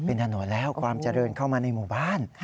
เป็นถนนแล้วความเจริญเข้ามาในหมู่บ้าน